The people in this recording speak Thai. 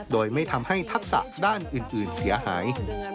โดยไม่ทำให้ทักษะด้านอื่นเสียหาย